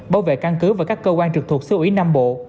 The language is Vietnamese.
bảo vệ căn cứ và các cơ quan trực thuộc sứ ủy nam bộ